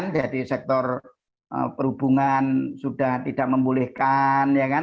jadi sektor perhubungan sudah tidak memulihkan